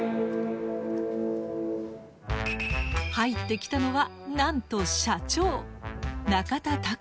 入ってきたのはなんと社長。